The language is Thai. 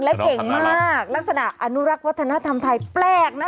และเก่งมากลักษณะอนุรักษ์วัฒนธรรมไทยแปลกนะ